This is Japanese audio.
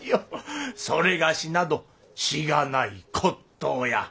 それがしなどしがない骨董屋。